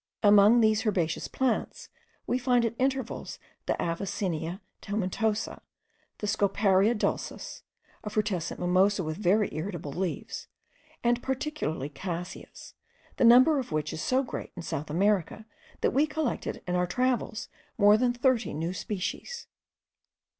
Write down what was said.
Among these herbaceous plants we find at intervals the Avicennia tomentosa, the Scoparia dulcis, a frutescent mimosa with very irritable leaves,* and particularly cassias, the number of which is so great in South America, that we collected, in our travels, more than thirty new species.